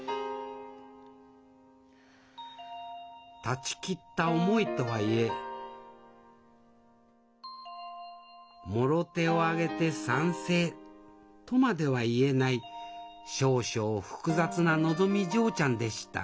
断ち切った思いとはいえもろ手を挙げて賛成とまでは言えない少々複雑なのぞみ嬢ちゃんでした